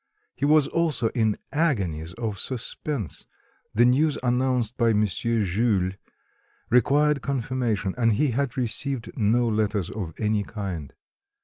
He was also in agonies of suspense; the news announced by M. Jules required confirmation, and he had received no letters of any kind.